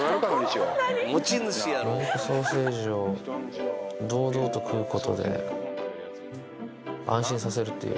魚肉ソーセージを堂々と食うことで安心させるっていう。